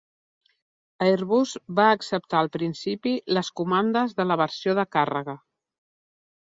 Airbus va acceptar al principi les comandes de la versió de càrrega.